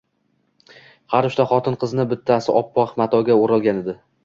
Har uchta xotin-qizni bittasi oppoq matoga o‘ralgan edi.